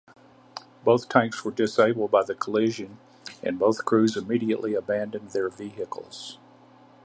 Both tanks were disabled by the collision and both crews immediately abandoned their vehicles.